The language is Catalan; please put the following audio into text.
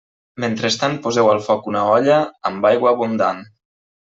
Mentrestant poseu al foc una olla amb aigua abundant.